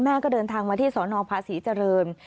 ก็เดินทางมาที่สนภาษีเจริญ